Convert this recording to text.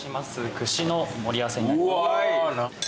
串の盛り合わせになります。